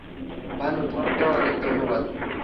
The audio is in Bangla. ভানু, তোমাকেও, অনেক ধন্যবাদ।